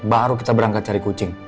baru kita berangkat cari kucing